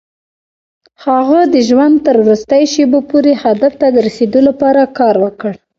هغه د ژوند تر وروستيو شېبو پورې هدف ته د رسېدو لپاره کار وکړ.